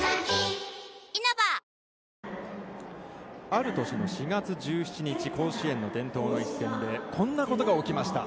ある年の４月１７日、甲子園の伝統の一戦でこんなことが起きました。